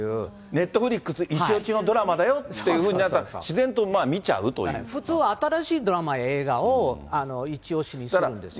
ネットフリックス一押しのドラマだよっていうふうに自然と見普通、新しいドラマや映画を、一押しにするんですよね。